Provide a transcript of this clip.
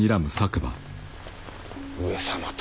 上様と。